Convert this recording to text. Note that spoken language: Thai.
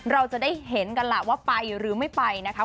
เราจะได้เห็นกันล่ะว่าไปหรือไม่ไปนะคะ